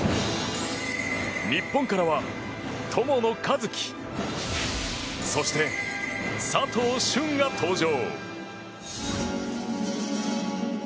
日本からは、友野一希そして佐藤駿が登場。